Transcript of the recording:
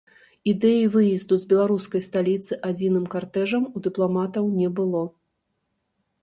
Ідэі выезду з беларускай сталіцы адзіным картэжам у дыпламатаў не было.